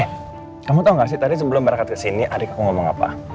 eh kamu tau gak sih tadi sebelum mereka kesini adik aku ngomong apa